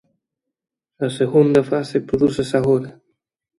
A segunda fase prodúcese agora.